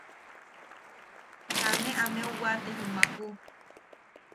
Kaa ne ameu waate jumaku.